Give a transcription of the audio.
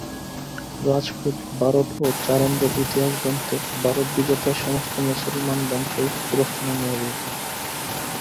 রাজপুত বারট ও চারণদের ইতিহাসগ্রন্থে ভারতবিজেতা সমস্ত মুসলমান বংশই তুরস্ক নামে অভিহিত।